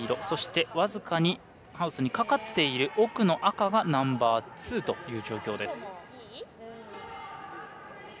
そして、僅かにハウスにかかっている奥の赤がナンバーツーという状況です。